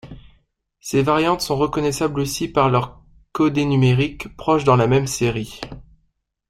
Ces variantes sont reconnaissables aussi par leurs codets numériques proches dans la même série.